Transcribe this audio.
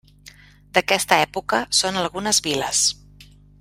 D'aquesta època són algunes viles.